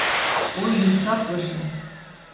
Ой, юмсаклыже!